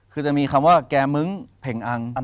คือจะมีคำว่าแก่มึ้งเพ่งอัง